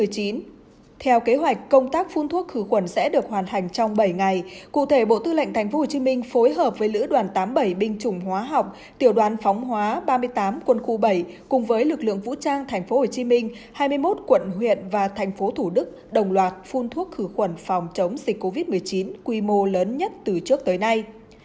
theo kế hoạch công tác phun thuốc khử quần sẽ được hoàn thành trong bảy ngày cụ thể bộ tư lệnh tp hcm phối hợp với lữ đoàn tám mươi bảy binh chủng hóa học tiểu đoàn phóng hóa ba mươi tám quân khu bảy cùng với lực lượng vũ trang tp hcm hai mươi một quận huyện và tp thủ đức đồng loạt phun thuốc khử quần phòng chống dịch covid một mươi chín quy mô lớn nhất từ trước tới nay